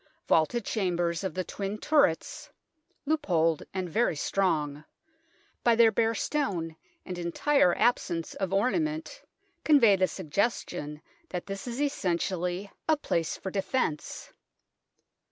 Vaulted chambers of the twin turrets, loopholed and very strong, by their bare stone and entire absence of ornament convey the suggestion that this is essentially 142 THE TOWER OF LONDON a place for defence.